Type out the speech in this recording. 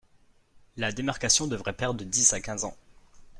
La démarcation devrait prendre de dix à quinze ans.